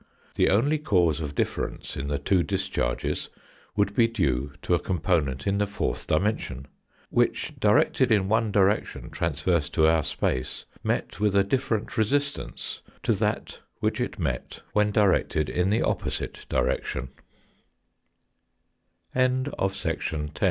The only cause of difference in the two discharges would be due to a component in the fourth dimension, which directed in one direction transverse to our space, met with a different resistance to that which it met when directed in t